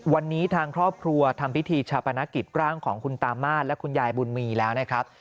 วันนี้ทางครอบครัวทำพิธีชาปนกิจร่างของคุณตามาศและคุณยายบุญมีแล้วนะครับ